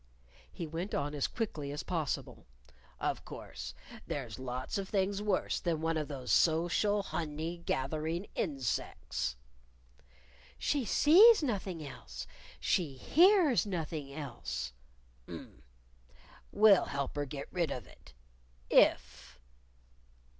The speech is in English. He went on as quickly as possible. "Of course there are lots of things worse than one of those so cial hon ey gath er ing in sects " "She sees nothing else! She hears nothing else!" "Um! We'll help her get rid of it! _if!